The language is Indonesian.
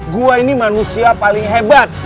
gua ini manusia paling hebat